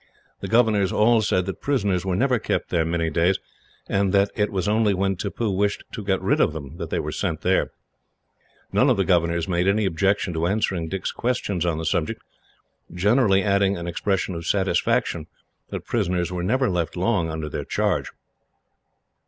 The governors all said that prisoners were never kept there many days, and that it was only when Tippoo wished to get rid of them that they were sent there. None of the governors made any objection to answering Dick's questions on the subject, generally adding an expression of satisfaction that prisoners were never left long under their charge.